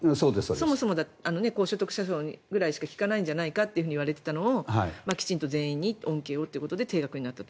そもそも高所得者層ぐらいしか引かないんじゃないかといわれていたのがきちんと全員に恩恵をということで定額になったと。